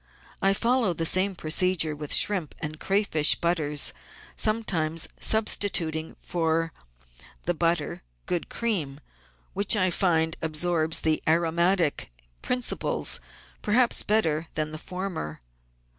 I follow the same procedure with shrimp and crayfish butters, 54 GUIDE TO MODERN COOKERY sometimes substituting for the butter good cream, which, I find, absorbs the aromatic principles perhaps better than the former.